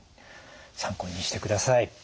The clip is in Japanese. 参考にしてください。